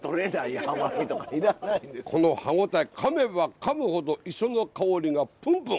この歯応えかめばかむほど磯の香りがプンプン！